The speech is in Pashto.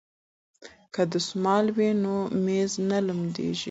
که دستمال وي نو میز نه لمدیږي.